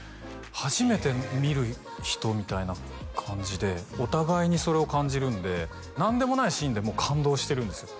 初めて見る人みたいな感じでお互いにそれを感じるんで何でもないシーンでも感動してるんですよ